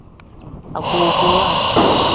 Agbogbowa.